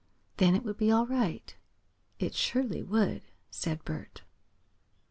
Then it would be all right." "It surely would," said Bert.